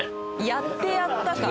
「やってやった感」。